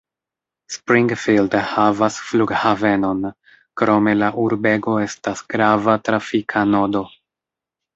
Springfield havas flughavenon, krome la urbego estas grava trafika nodo.